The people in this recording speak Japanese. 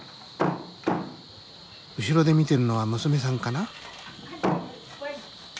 後ろで見てるのは娘さんかな。